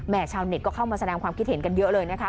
ชาวเน็ตก็เข้ามาแสดงความคิดเห็นกันเยอะเลยนะคะ